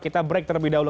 kita break terlebih dahulu